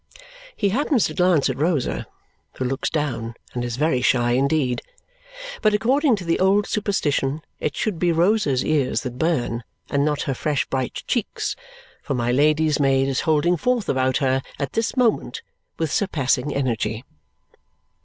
He happens to glance at Rosa, who looks down and is very shy indeed. But according to the old superstition, it should be Rosa's ears that burn, and not her fresh bright cheeks, for my Lady's maid is holding forth about her at this moment with surpassing energy.